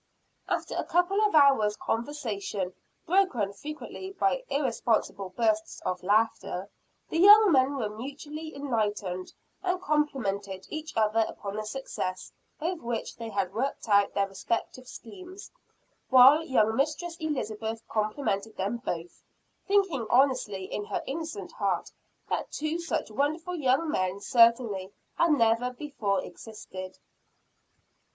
After a couple of hours' conversation, broken frequently by irresponsible bursts of laughter, the young men were mutually enlightened; and complimented each other upon the success with which they had worked out their respective schemes while young Mistress Elizabeth complimented them both, thinking honestly in her innocent heart that two such wonderful young men certainly had never before existed.